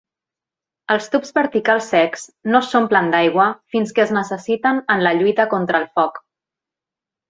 Els tubs verticals secs no s'omplen d'aigua fins que es necessiten en la lluita contra el foc.